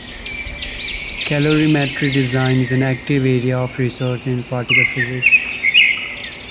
Calorimetry design is an active area of research in particle physics.